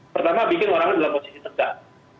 pertama bikin orangnya dalam posisi tegak